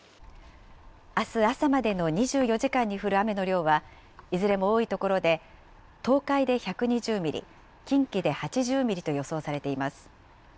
あす朝までの２４時間に降る雨の量は、いずれも多い所で、東海で１２０ミリ、近畿で８０ミリと予想されています。